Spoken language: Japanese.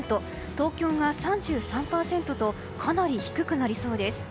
東京が３２％とかなり低くなりそうです。